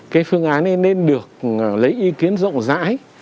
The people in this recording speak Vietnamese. cái phương án ấy nên được lấy ý kiến rộng rãi